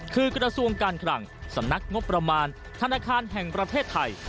คือกระทรวงการคลังสำนักงบประมาณธนาคารแห่งประเทศไทย